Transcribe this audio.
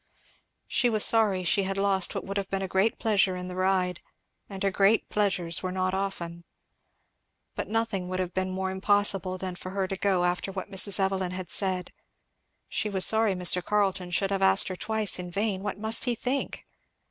She was sorry she had lost what would have been a great pleasure in the ride, and her great pleasures were not often, but nothing would have been more impossible than for her to go after what Mrs. Evelyn had said; she was sorry Mr. Carleton should have asked her twice in vain; what must he think?